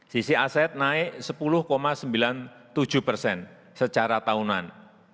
sisi aset naik sepuluh sembilan puluh tujuh persen secara tahunan